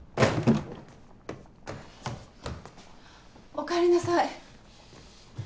・・おかえりなさい。